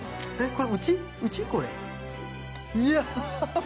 これ。